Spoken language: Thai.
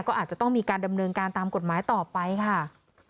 ก็อาจจะต้องมีการดำเนินการตามกฎหมายต่อไปค่ะ